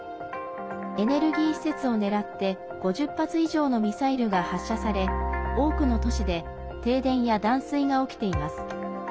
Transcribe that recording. エネルギー施設を狙って５０発以上のミサイルが発射され多くの都市で停電や断水が起きています。